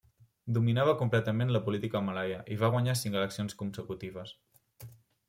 Dominava completament la política malaia i va guanyar cinc eleccions consecutives.